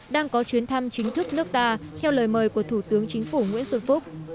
đang có chuyến thăm chính thức nước ta theo lời mời của thủ tướng chính phủ nguyễn xuân phúc